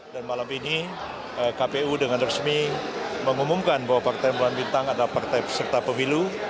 dan malam ini kpu dengan resmi mengumumkan bahwa partai bulan bintang adalah partai peserta pemilu